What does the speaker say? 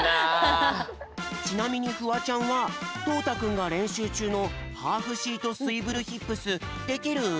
ちなみにフワちゃんはとうたくんがれんしゅうちゅうのハーフシート・スイブル・ヒップスできる？